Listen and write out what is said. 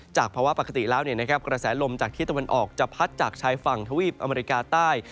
ภาวะปกติแล้วกระแสลมจากที่ตะวันออกจะพัดจากชายฝั่งทวีปอเมริกาใต้